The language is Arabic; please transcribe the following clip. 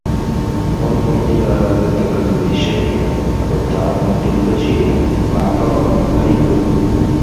فَانْظُرْ إلَى هَذَا التَّكَلُّفِ الشَّنِيعِ ، وَالتَّعَمُّقِ الْبَشِيعِ ، مَا اعْتَاضَ مِنْ حَيْثُ